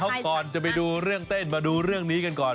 เขาก่อนจะไปดูเรื่องเต้นมาดูเรื่องนี้กันก่อน